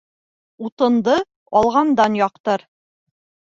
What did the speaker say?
Утынды алғандан яҡтыр